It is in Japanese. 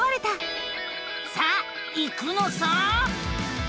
さあ行くのさ！